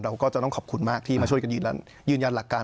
เราก็จะต้องขอบคุณมากที่มาช่วยกันยืนยันหลักการ